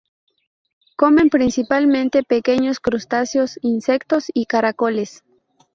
Comen principalmente pequeños crustáceos, insectos y caracoles.